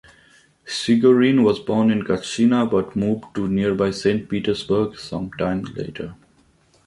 Chigorin was born in Gatchina but moved to nearby Saint Petersburg some time later.